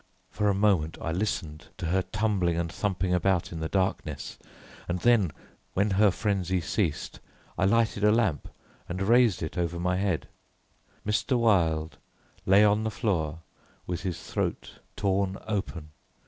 For a moment I listened to her tumbling and thumping about in the darkness, and then when her frenzy ceased, I lighted a lamp and raised it over my head. Mr. Wilde lay on the floor with his throat torn open.